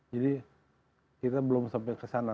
jadi kita belum sampai kesana